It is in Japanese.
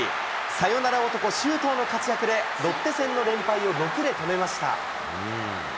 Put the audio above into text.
サヨナラ男、周東の活躍でロッテ戦の連敗を６で止めました。